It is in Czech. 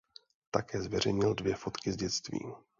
Také zveřejnil dvě fotky z dětství.